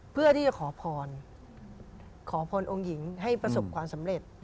เพื่อที่จะขอพรขอพรองค์หญิงให้ประสบความสำเร็จ